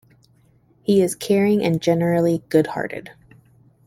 He is caring and generally good hearted.